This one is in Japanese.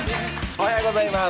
おはようございます。